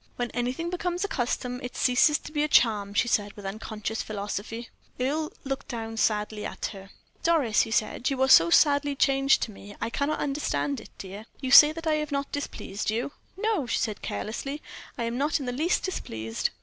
"When anything becomes a custom it ceases to be a charm," she said, with unconscious philosophy. Earle looked down sadly at her. "Doris," he said, "you are so sadly changed to me, I cannot understand it, dear. You say that I have not displeased you?" "No," she said, carelessly, "I am not in the least displeased."